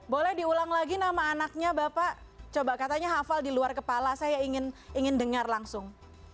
boleh diulang lagi nama anaknya bapak coba katanya hafal di luar kepala saya ingin dengar langsung